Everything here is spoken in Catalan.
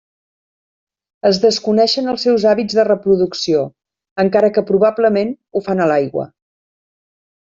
Es desconeixen els seus hàbits de reproducció, encara que probablement ho fan a l'aigua.